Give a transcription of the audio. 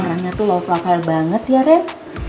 orangnya tuh low profile banget ya ren